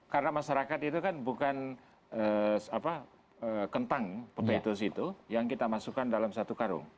karena masyarakat itu bukan kentang pepetus itu yang kita masukkan dalam satu karung